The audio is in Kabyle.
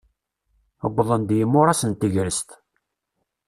Uwḍen-d yimuras n tegrest.